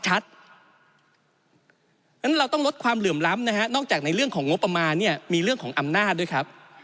เพราะฉะนั้นเราต้องลดความเหลื่อมล้ำนะฮะนอกจากในเรื่องของงบประมาณเนี่ยมีเรื่องของอำนาจด้วยครับ